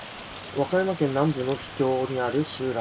和歌山県南部の秘境にある集落